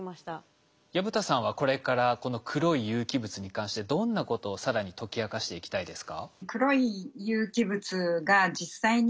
薮田さんはこれからこの黒い有機物に関してどんなことを更に解き明かしていきたいですか？